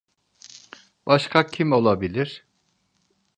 Başka kim olabilir?